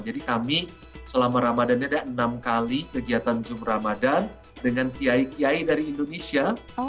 jadi kami selama ramadhan ada enam kali kegiatan zoom ramadhan dengan ti ki dari indonesia